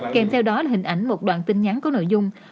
kèm theo đó là hình ảnh một đoạn tin nhắn có nội dung